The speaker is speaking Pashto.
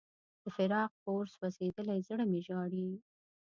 د فراق په اور سوځېدلی زړه مې ژاړي.